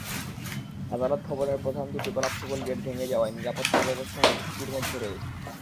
আদালত ভবনের প্রধান দুটি কলাপসিবল গেট ভেঙে যাওয়ায় নিরাপত্তাব্যবস্থা ঝুঁকির মধ্যে রয়েছে।